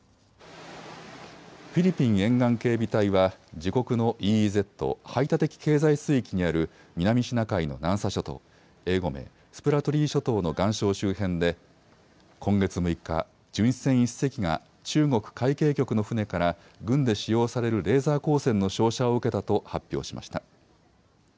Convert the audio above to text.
フィリピン沿岸警備隊は自国のＥＥＺ・排他的経済水域にある南シナ海の南沙諸島、英語名スプラトリー諸島の岩礁周辺で今月６日、巡視船１隻が中国海警局の船から軍で使用されるレーザー光線の照射を受けたと発表しました。